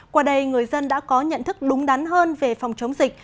qua đây người dân đã có nhận thức đúng đắn hơn về phòng chống dịch